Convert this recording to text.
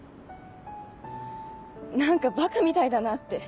何かばかみたいだなって。